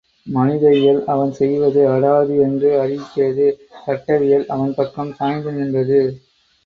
மனித இயல் அவன் செய்வது அடாது என்று அறிவிக்கிறது சட்ட வியல் அவன் பக்கம் சாய்ந்து நின்றது.